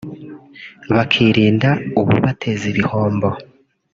bakirinda ububateza imbihombo